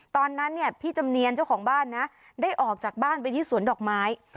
ตอนนั้นเนี่ยพี่จำเนียนเจ้าของบ้านนะได้ออกจากบ้านไปที่สวนดอกไม้